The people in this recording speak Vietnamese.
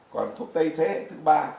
còn thuốc tây thế hệ thứ ba